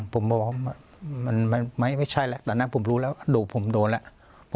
ผมบอกว่าไม่ใช่แล้วแต่นั้นผมรู้แล้วผมโดนแล้ว